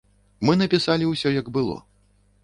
Мы напісалі ўсё, як было.